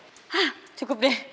hah cukup deh